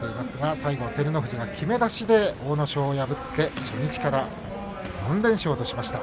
最後、照ノ富士がきめ出しで阿武咲を破って初日から４連勝としました。